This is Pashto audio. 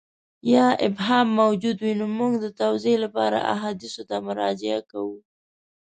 یا ابهام موجود وي نو موږ د توضیح لپاره احادیثو ته مراجعه کوو.